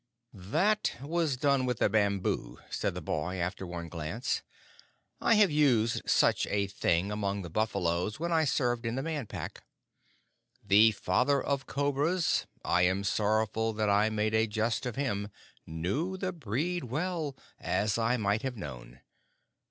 "That was done with a bamboo," said the boy, after one glance. "I have used such a thing among the buffaloes when I served in the Man Pack. The Father of Cobras I am sorrowful that I made a jest of him knew the breed well, as I might have known.